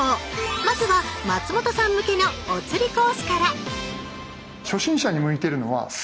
まずは松本さん向けの「おつりコース」からえ？